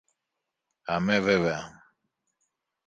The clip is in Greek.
Αμέ βέβαια!